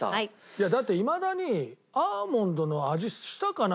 いやだっていまだにアーモンドの味したかな？